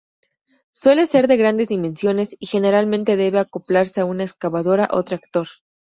Suele ser de grandes dimensiones, y generalmente debe acoplarse a una excavadora o tractor.